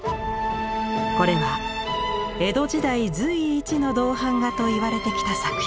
これは江戸時代髄一の銅版画と言われてきた作品。